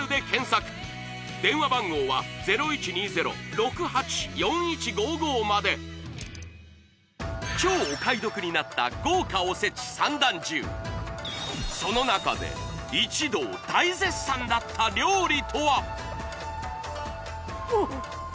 １万４８００円に超お買い得になった豪華おせち三段重その中で一同大絶賛だった料理とは？